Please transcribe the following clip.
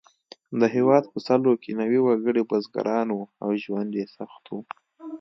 د هېواد په سلو کې نوي وګړي بزګران وو او ژوند یې سخت و.